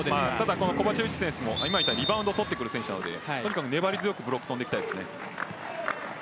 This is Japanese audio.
コバチェビッチ選手も今みたいにリバウンドを取ってくる選手なので粘り強くブロック、跳んでいきたいですね。